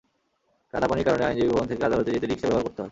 কাদাপানির কারণে আইনজীবী ভবন থেকে আদালতে যেতে রিকশা ব্যবহার করতে হয়।